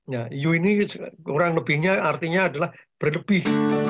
ya eu ini kurang lebihnya artinya adalah berlebih